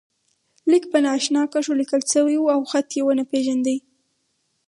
لیک په نا آشنا کرښو لیکل شوی و او خط یې و نه پېژانده.